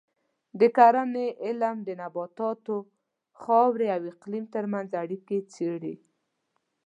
د کرنې علم د نباتاتو، خاورې او اقلیم ترمنځ اړیکې څېړي.